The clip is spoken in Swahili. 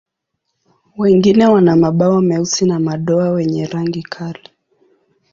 Wengine wana mabawa meusi na madoa wenye rangi kali.